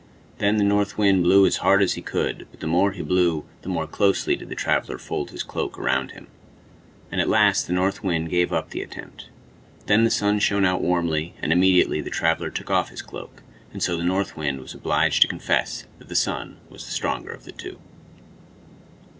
Then the North Wind blew as hard as he could, but the more he blew the more closely did the traveler fold his cloak around him; and at last the North Wind gave up the attempt. Then the Sun shined out warmly, and immediately the traveler took off his cloak. And so the North Wind was obliged to confess that the Sun was the stronger of the two.